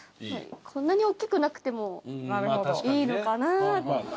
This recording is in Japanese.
こんなに大きくなくてもいいのかな。